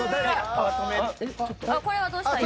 これはどうしたらいい？